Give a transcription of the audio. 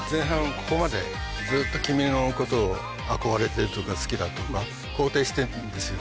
ここまでずっと君のことを憧れてるとか好きだとか肯定してるんですよ。